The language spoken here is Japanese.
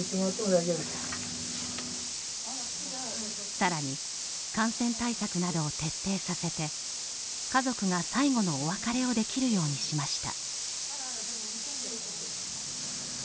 さらに、感染対策などを徹底させて家族が最後のお別れをできるようにしました。